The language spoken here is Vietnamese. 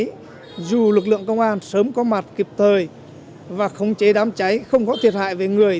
vì vậy dù lực lượng công an sớm có mặt kịp thời và khống chế đám cháy không có thiệt hại về người